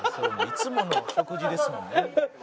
「いつもの食事ですもんね」